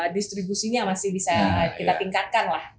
distribusinya masih bisa kita tingkatkan lah